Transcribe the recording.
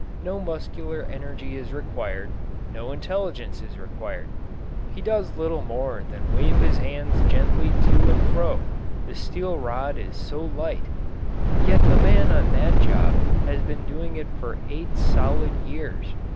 No muscular energy is required, no intelligence is required. He does little more than wave his hands gently to and fro the steel rod is so light. Yet the man on that job has been doing it for eight solid years.